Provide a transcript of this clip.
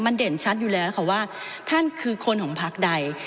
มันเด่นชัดอยู่แล้วค่ะว่าท่านคือคนของพักใด